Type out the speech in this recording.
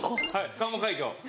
関門海峡。